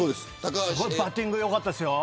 バッティングよかったですよ。